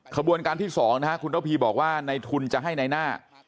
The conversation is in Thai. ขบวนการที่๒นะฮะคุณระพีบอกว่าในทุนจะให้ในหน้า